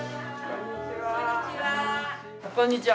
こんにちは。